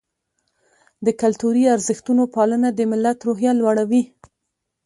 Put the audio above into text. د کلتوري ارزښتونو پالنه د ملت روحیه لوړوي.